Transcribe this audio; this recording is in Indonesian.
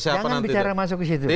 jangan bicara masuk ke situ